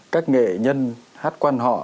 các nghệ nhân hát quan họ